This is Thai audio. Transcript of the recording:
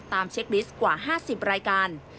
เช็คลิสต์กว่า๕๐รายการ